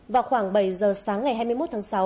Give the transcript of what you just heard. vào khoảng bảy giờ sáng ngày hai mươi một tháng sáu